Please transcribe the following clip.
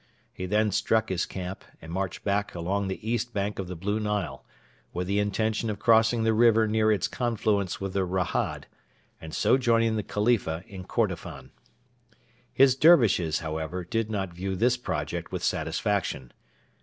He then struck his camp, and marched back along the east bank of the Blue Nile, with the intention of crossing the river near its confluence with the Rahad, and so joining the Khalifa in Kordofan. His Dervishes, however, did not view this project with satisfaction.